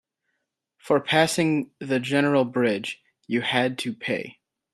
For passing the general bridge, you had to pay.